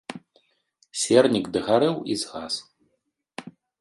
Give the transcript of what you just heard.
Сернік дагарэў і згас.